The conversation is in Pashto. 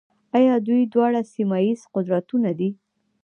آیا دوی دواړه سیمه ییز قدرتونه نه دي؟